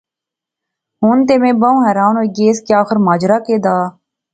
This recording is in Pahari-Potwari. ہن تے میں بہوں حیران ہوئی گیس کہ آخر ماجرا کہہ دا؟